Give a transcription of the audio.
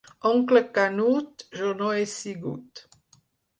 Oncle Canut, jo no he sigut.